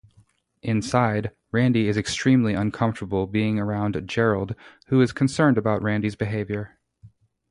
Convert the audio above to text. Inside, Randy is extremely uncomfortable being around Gerald, who is concerned about Randy's behavior.